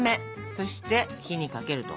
そして火にかけると。